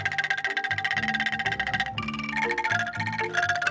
akedin kita jadi orang utama bukan mengaku